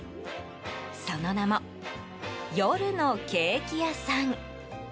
その名も夜のケーキ屋さん。